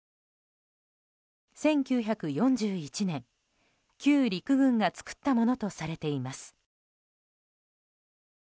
１９４１年、旧陸軍が作ったものとされています。